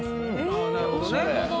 あぁなるほどね。